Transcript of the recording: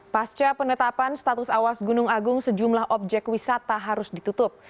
pasca penetapan status awas gunung agung sejumlah objek wisata harus ditutup